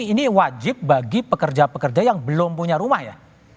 ini wajib bagi pekerja pekerja yang belum punya rumah ya